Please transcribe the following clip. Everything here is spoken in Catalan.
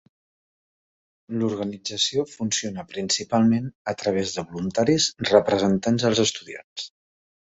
L'organització funciona principalment a través de voluntaris representants dels estudiants.